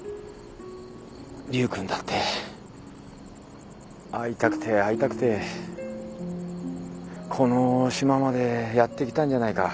竜君だって会いたくて会いたくてこの島までやって来たんじゃないか。